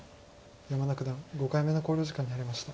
山田九段５回目の考慮時間に入りました。